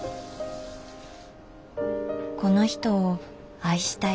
「この人を愛したい」。